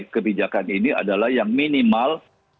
kebijakan ini adalah yang minimal